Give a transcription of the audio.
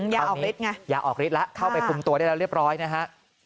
ยาออกฤทธิไงอย่าออกฤทธิแล้วเข้าไปคุมตัวได้แล้วเรียบร้อยนะฮะ